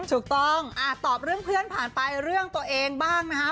ถูกต้องตอบเรื่องเพื่อนผ่านไปเรื่องตัวเองบ้างนะคะ